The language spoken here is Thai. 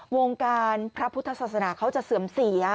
วงการพระพุทธศาสนาเขาจะเสื่อมเสีย